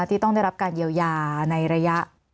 ที่ต้องได้รับการเยียวยาในระยะ